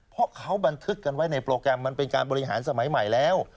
เพราะเขาบันทึกกันไว้ในโปรแกรมมันเป็นการบริหารสมัยใหม่แล้ว